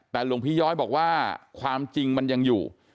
แต่หลวงพี่ย้อยบอกว่าความจริงมันยังอยู่